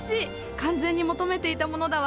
完全に求めていたものだわ。